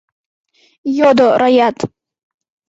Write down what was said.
— йодо Раят.